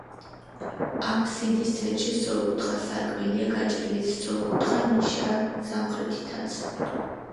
აბსიდის ცენტრში სწორკუთხა სარკმელია გაჭრილი, სწორკუთხა ნიშაა სამხრეთითაც.